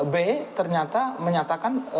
b ternyata menyatakan